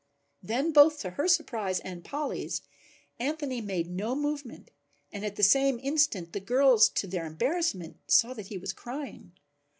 Then both to her surprise and Polly's, Anthony made no movement and at the same instant the girls to their embarrassment saw that he was crying.